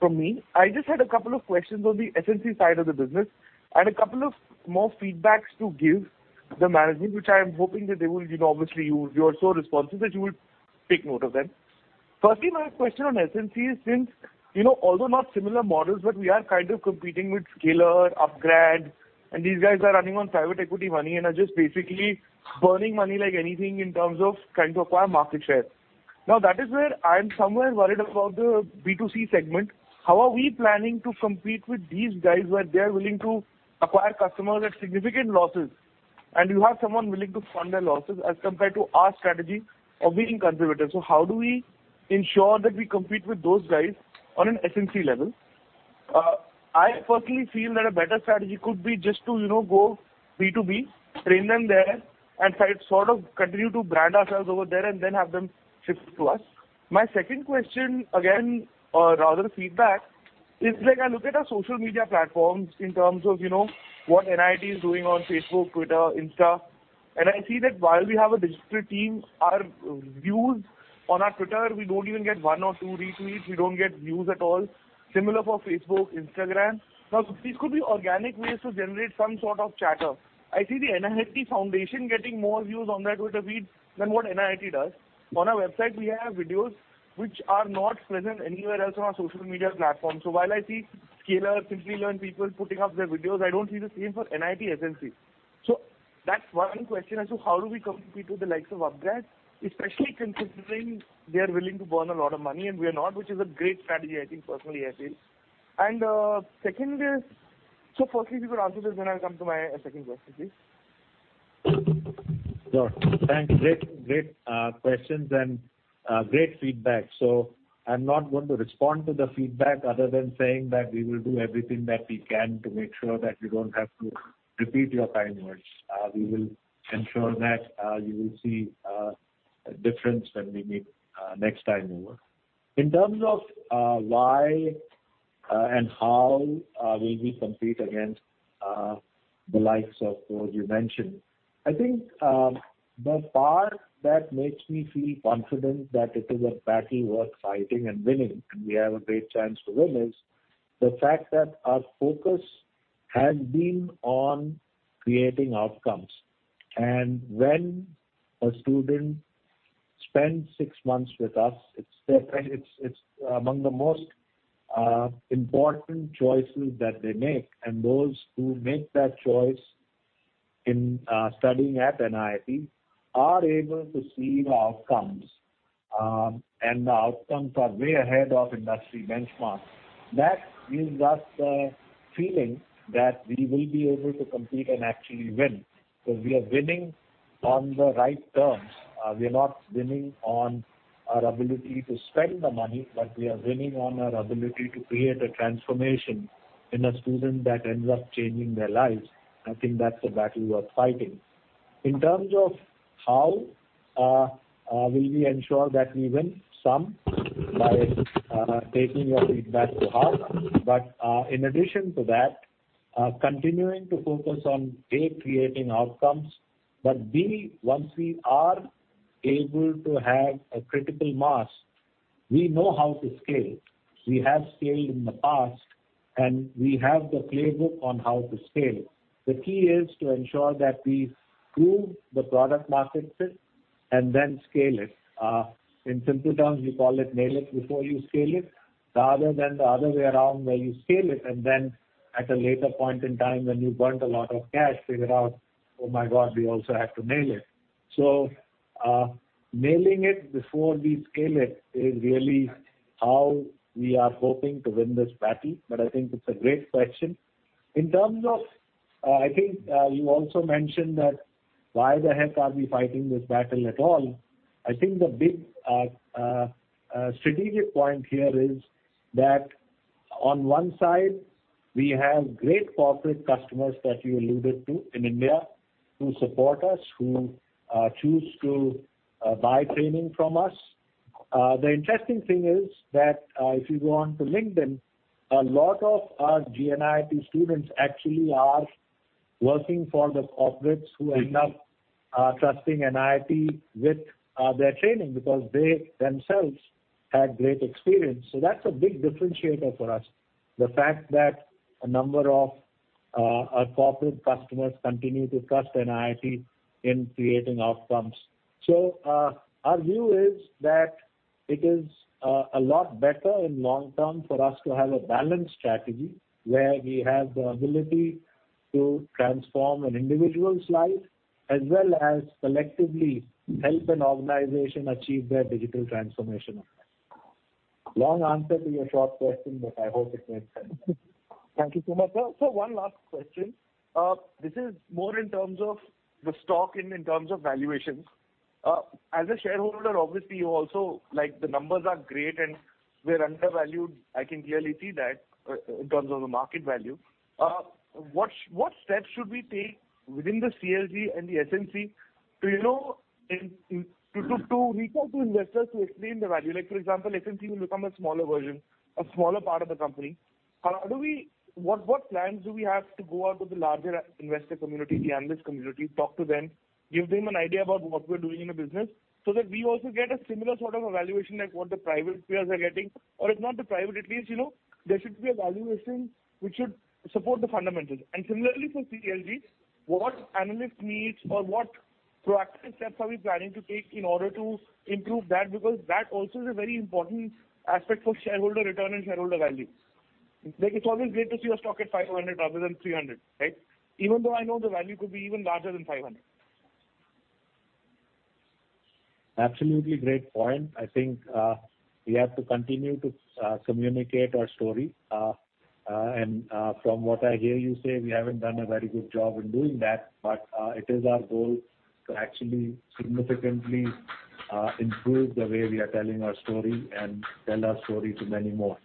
from me. I just had a couple of questions on the SNC side of the business and a couple of more feedbacks to give the management, which I am hoping that they will, you know, obviously you are so responsive that you will take note of them. Firstly, my question on SNC is, since, you know, although not similar models, but we are kind of competing with Scaler, upGrad, and these guys are running on private equity money and are just basically burning money like anything in terms of trying to acquire market share. Now, that is where I'm somewhere worried about the B2C segment. How are we planning to compete with these guys where they are willing to acquire customers at significant losses, and you have someone willing to fund their losses as compared to our strategy of being conservative? How do we ensure that we compete with those guys on an SNC level? I personally feel that a better strategy could be just to, you know, go B2B, train them there, and try to sort of continue to brand ourselves over there and then have them shift to us. My second question, again, or rather feedback is like I look at our social media platforms in terms of, you know, what NIIT is doing on Facebook, Twitter, Insta, and I see that while we have a digital team, our views on our Twitter, we don't even get one or two retweets. We don't get views at all. Similar for Facebook, Instagram. These could be organic ways to generate some sort of chatter. I see the NIIT Foundation getting more views on their Twitter feed than what NIIT does. On our website, we have videos which are not present anywhere else on our social media platform. While I see Scaler, Simplilearn people putting up their videos, I don't see the same for NIIT SNC. That's one question as to how do we compete with the likes of upGrad, especially considering they are willing to burn a lot of money and we are not, which is a great strategy, I think, personally, I feel. Firstly if you answer this, then I'll come to my second question, please. Sure. Thanks. Great questions and great feedback. I'm not going to respond to the feedback other than saying that we will do everything that we can to make sure that you don't have to repeat your time words. We will ensure that you will see a difference when we meet next time over. In terms of why and how will we compete against the likes of who you mentioned. I think the part that makes me feel confident that it is a battle worth fighting and winning, and we have a great chance to win, is the fact that our focus has been on creating outcomes. When a student spends six months with us, it's among the most important choices that they make. Those who make that choice in studying at NIIT are able to see the outcomes. The outcomes are way ahead of industry benchmarks. That gives us a feeling that we will be able to compete and actually win, 'cause we are winning on the right terms. We are not winning on our ability to spend the money, but we are winning on our ability to create a transformation in a student that ends up changing their lives. I think that's a battle worth fighting. In terms of how will we ensure that we win? Some by taking your feedback to heart. In addition to that, continuing to focus on, A, creating outcomes. B, once we are able to have a critical mass, we know how to scale. We have scaled in the past, and we have the playbook on how to scale. The key is to ensure that we prove the product market fit and then scale it. In simple terms, we call it nail it before you scale it, rather than the other way around, where you scale it and then at a later point in time when you've burnt a lot of cash, figure out, "Oh my God, we also have to nail it." Nailing it before we scale it is really how we are hoping to win this battle. I think it's a great question. In terms of, I think, you also mentioned that why the heck are we fighting this battle at all? I think the big strategic point here is that on one side, we have great corporate customers that you alluded to in India who support us, who choose to buy training from us. The interesting thing is that if you go onto LinkedIn, a lot of our gNIIT students actually are working for the corporates who end up trusting NIIT with their training because they themselves had great experience. That's a big differentiator for us. The fact that a number of our corporate customers continue to trust NIIT in creating outcomes. Our view is that it is a lot better in long term for us to have a balanced strategy where we have the ability to transform an individual's life as well as collectively help an organization achieve their digital transformation. Long answer to your short question, but I hope it made sense. Thank you so much, sir. One last question. This is more in terms of the stock and in terms of valuations. As a shareholder, obviously like the numbers are great and we're undervalued. I can clearly see that in terms of the market value. What steps should we take within the CLG and the SNC to, you know, to reach out to investors to explain the value? Like for example, SNC will become a smaller version, a smaller part of the company. What plans do we have to go out to the larger investor community, the analyst community, talk to them, give them an idea about what we're doing in the business so that we also get a similar sort of valuation like what the private peers are getting? If not the private, at least, you know, there should be a valuation which should support the fundamentals. Similarly for CLG, what analyst meets or what proactive steps are we planning to take in order to improve that? That also is a very important aspect for shareholder return and shareholder value. It's always great to see a stock at 500 rather than 300, right? Even though I know the value could be even larger than 500. Absolutely great point. I think, we have to continue to communicate our story. From what I hear you say, we haven't done a very good job in doing that. It is our goal to actually significantly improve the way we are telling our story and tell our story to many more.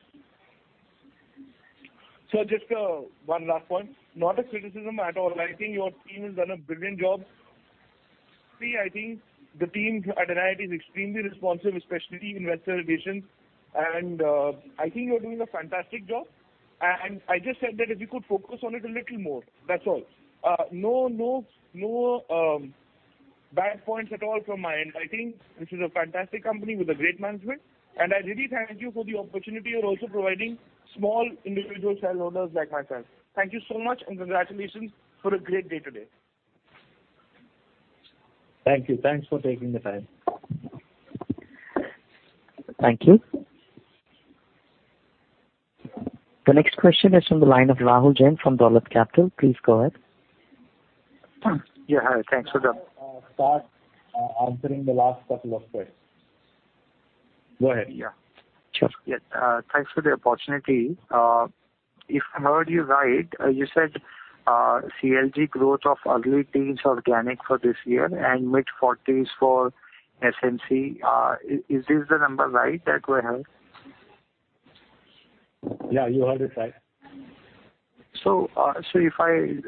Sir, just one last point, not a criticism at all. I think your team has done a brilliant job. See, I think the team at NIIT is extremely responsive, especially Investor Relations, and I think you're doing a fantastic job. I just said that if you could focus on it a little more, that's all. No, no, bad points at all from my end. I think this is a fantastic company with a great management, and I really thank you for the opportunity you're also providing small individual shareholders like myself. Thank you so much, and congratulations for a great day today. Thank you. Thanks for taking the time. Thank you. The next question is from the line of Rahul Jain from Dolat Capital. Please go ahead. Yeah. Hi. Thanks. Answering the last couple of questions. Go ahead. Yeah. Sure. Yeah. Thanks for the opportunity. If I heard you right, you said, CLG growth of early teens organic for this year and mid-forties for SNC. Is this the number right that we have? Yeah, you heard it right. If I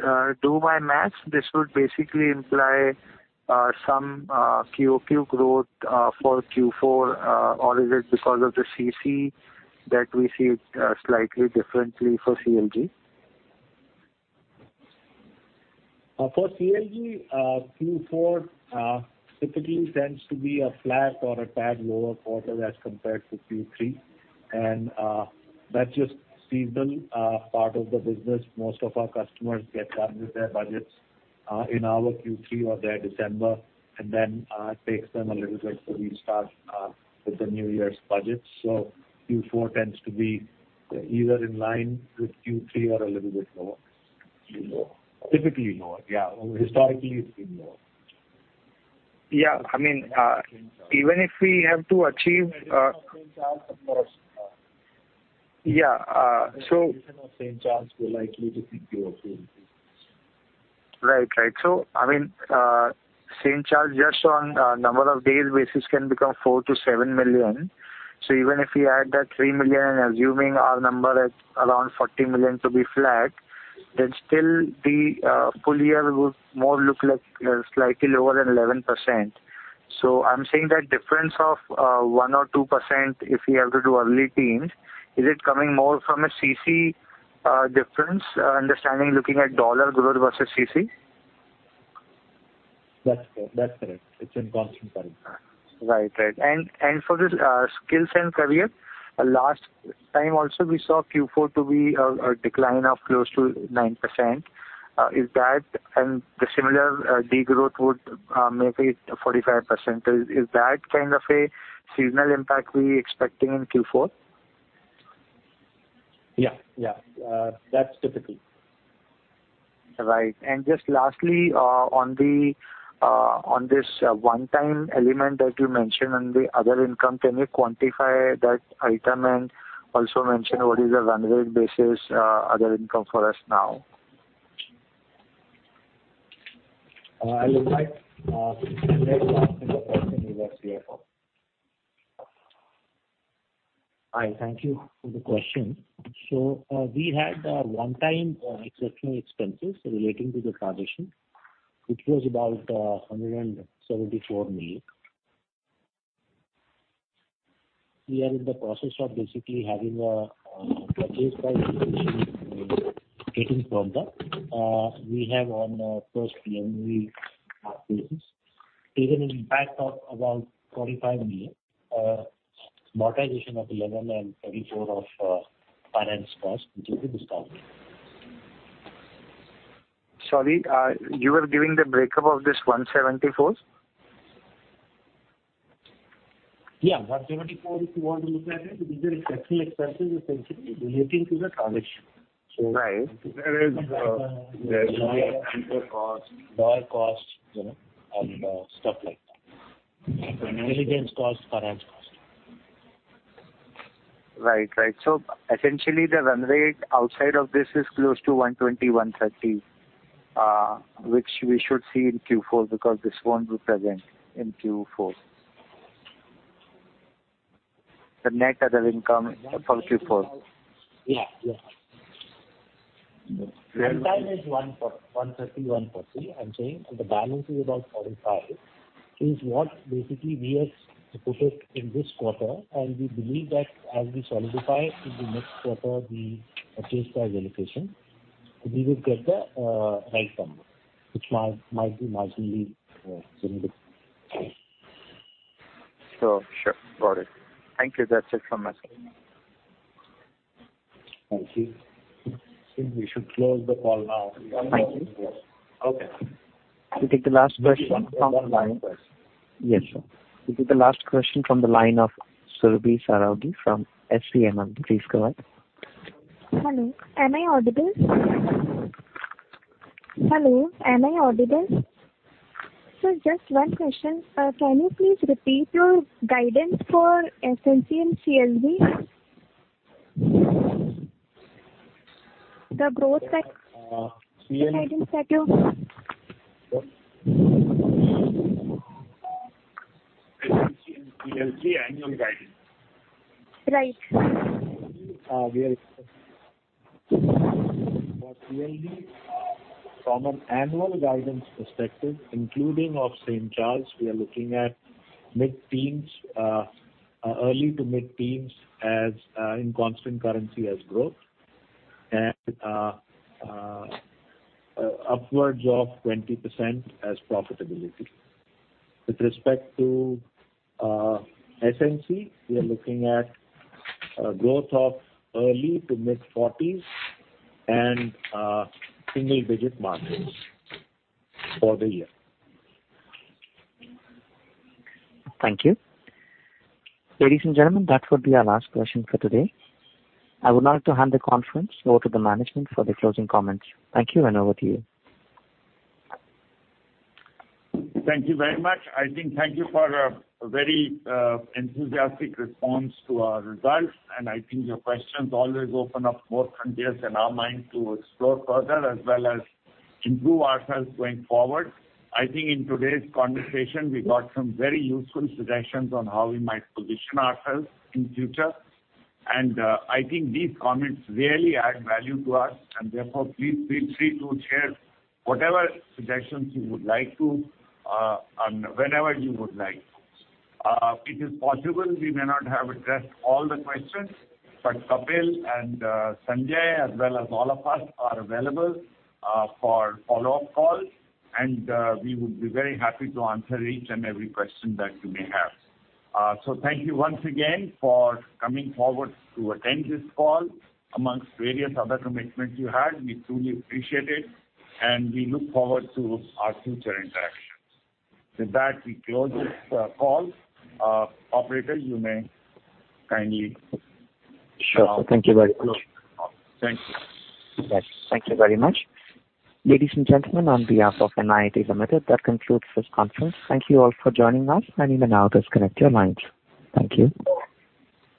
do my math, this would basically imply some QOQ growth for Q4. Or is it because of the CC that we see it slightly differently for CLG? For CLG, Q4 typically tends to be a flat or a tad lower quarter as compared to Q3. That's just seasonal part of the business. Most of our customers get done with their budgets in our Q3 or their December, takes them a little bit to restart with the New Year's budget. Q4 tends to be either in line with Q3 or a little bit lower. Typically lower. Typically lower. Yeah. Historically, it's been lower. Yeah. I mean, even if we have to achieve... Yeah, right. I mean, St.Charles just on number of days basis can become $4 million-$7 million. Even if we add that $3 million, assuming our number at around $40 million to be flat, then still the full year would more look like slightly lower than 11%. I'm saying that difference of 1% or 2%, if we have to do early teens, is it coming more from a CC difference? Understanding, looking at dollar growth versus CC. That's correct. It's in Constant Currency. Right. For this Skills & Careers, last time also we saw Q4 to be a decline of close to 9%. Is that and the similar degrowth would make it 45%. Is that kind of a seasonal impact we expecting in Q4? Yeah. That's typical. Right. Just lastly, on the on this one time element that you mentioned on the other income, can you quantify that item and also mention what is the run rate basis, other income for us now? I would like Sanjay Mal to answer the question. He's our CFO. Hi. Thank you for the question. We had one-time exceptional expenses relating to the transition, which was about INR 174 million. We are in the process of basically having a purchase price allocation getting from that. We have on a post-PMI basis, taken an impact of about 45 million amortization of 11 and 34 of finance costs, which is this INR 1,000. Sorry, you were giving the breakup of this 174? Yeah. 174, if you want to look at it, these are exceptional expenses essentially relating to the transition. Right. There is, Cost, lawyer cost, you know, and, stuff like that. Diligence cost, finance cost. Right. Right. Essentially the run rate outside of this is close to 120, 130, which we should see in Q4 because this won't be present in Q4. The net other income for Q4. Yeah. Yeah. One time is one for 150, 140, I'm saying. The balance is about 45, is what basically we have put it in this quarter. We believe that as we solidify in the next quarter the purchase price allocation, we will get the right number, which might be marginally similar. Sure. Got it. Thank you. That's it from my side. Thank you. I think we should close the call now. Thank you. Okay. We take the last question from line-. One last question. Yes, sir. We take the last question from the line of [Surbhi Sierra from ICRA]. Please go ahead. Hello, am I audible? Sir, just one question. Can you please repeat your guidance for SNC and CLG? Thank you. SNC and CLG annual guidance? Right. We are... For CLG, from an annual guidance perspective, including of St. Charles, we are looking at mid-teens, early to mid-teens as in constant currency as growth. Upwards of 20% as profitability. With respect to SNC, we are looking at growth of early to mid-forties and single digit margins for the year. Thank you. Ladies and gentlemen, that would be our last question for today. I would now like to hand the conference over to the management for the closing comments. Thank you and over to you. Thank you very much. I think thank you for a very enthusiastic response to our results. I think your questions always open up more frontiers in our mind to explore further as well as improve ourselves going forward. I think in today's conversation we got some very useful suggestions on how we might position ourselves in future. I think these comments really add value to us and therefore please feel free to share whatever suggestions you would like to, whenever you would like. If it's possible, we may not have addressed all the questions, but Kapil and Sanjay, as well as all of us are available for follow-up calls, we would be very happy to answer each and every question that you may have. Thank you once again for coming forward to attend this call amongst various other commitments you had. We truly appreciate it, and we look forward to our future interactions. With that, we close this call. Operator, you may kindly- Sure, sir. Thank you very much. Thank you. Thank you very much. Ladies and gentlemen, on behalf of NIIT Limited, that concludes this conference. Thank you all for joining us, and you may now disconnect your lines. Thank you.